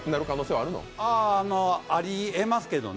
ありえますけどね。